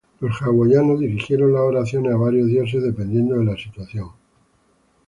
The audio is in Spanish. Los hawaianos dirigieron las oraciones a varios dioses dependiendo de la situación.